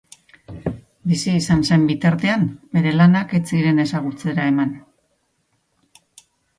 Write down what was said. Bizi izan zen bitartean bere lanak ez ziren ezagutzera eman.